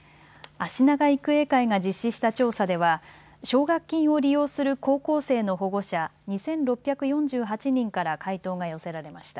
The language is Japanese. あしなが育英会が実施した調査では奨学金を利用する高校生の保護者２６４８人から回答が寄せられました。